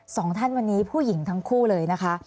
สองท่านวันนี้ผู้หญิงทั้งคู่เลยนะคะ